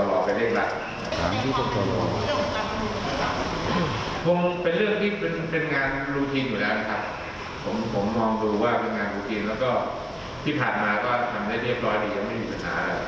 คงเป็นเรื่องที่เป็นงานรูทีนอยู่แล้วนะครับผมมองดูว่าเป็นงานรูทีนและก็ที่ผ่านมาก็ทำได้เรียบร้อยดีและไม่มีปัญหา